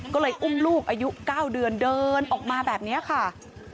ก็เลยอุ้มลูกอายุ๙เดือนเดินออกมาแบบนี้ค่ะ